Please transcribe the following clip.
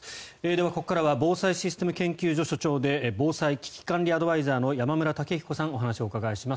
ここからは防災システム研究所所長で防災・危機管理アドバイザーの山村武彦さんにお話をお伺いします。